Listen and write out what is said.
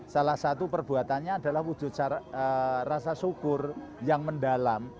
salah satu perbuatannya adalah wujud rasa syukur yang mendalam